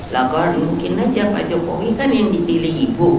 lakon mungkin aja pak jokowi kan yang dipilih ibu